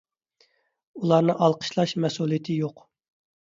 ئۇلارنى ئالقىشلاش مەسئۇلىيىتى يوق.